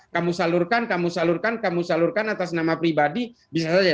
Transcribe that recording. kamu salurkan kamu salurkan kamu salurkan atas nama pribadi bisa saja